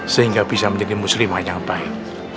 sehingga bisa menjadi muslimah yang baik